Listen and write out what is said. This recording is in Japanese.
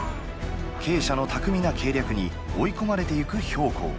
慶舎の巧みな計略に追い込まれていく公。